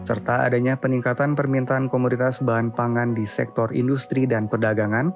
serta adanya peningkatan permintaan komoditas bahan pangan di sektor industri dan perdagangan